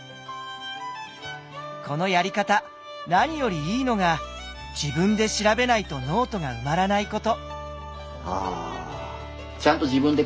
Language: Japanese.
このやり方何よりいいのが自分で調べないとノートが埋まらないこと。